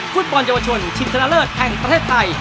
ฟุตบอลเยาวชนชิงชนะเลิศแห่งประเทศไทย